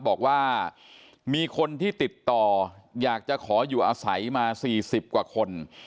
บอกว่ามีคนที่ติดต่ออยากจะขออยู่อาศัยมา๔๐กว่าคน